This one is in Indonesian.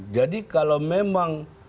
jadi kalau memang